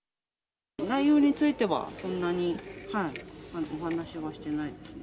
内容についてはそんなにお話はしてないですね。